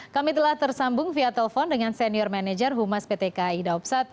kami telah tersambung via telepon dengan senior manager humas pt kai daup satu